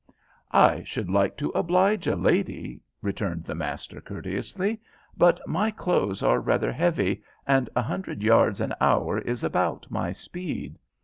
"I should like to oblige a lady," returned the master, courteously, "but my clothes are rather heavy, and a hundred yards an hour is about my speed.